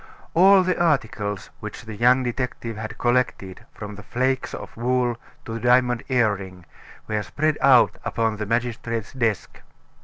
All the articles which the young detective had collected, from the flakes of wool to the diamond earring, were spread out upon the magistrate's desk.